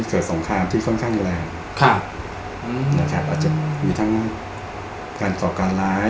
สงครามที่ค่อนข้างแรงครับนะครับอาจจะมีทั้งการก่อการร้าย